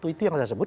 itu yang saya sebut